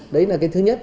đấy là cái thứ nhất